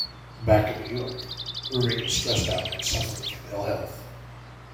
Back in New York, Irving is stressed out and suffering from ill health.